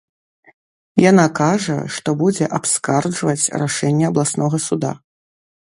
Яна кажа, што будзе абскарджваць рашэнне абласнога суда.